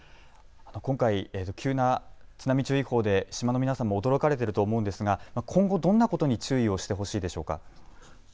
今回急な津波注意報で島の皆さんも驚かれていると思うんですが今後どんなことに注意をしてほしいでしょうか。